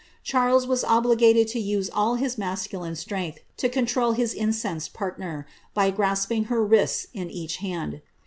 CSiarles was obliged to use all his masculine wglh to control his incensed partner, by grssping her wrists in each ad.